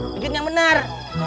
nginjit yang benar